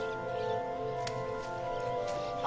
あ！